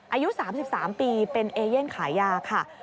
อายุ๓๓ปีเป็นเอเย่นขายยาค่ะ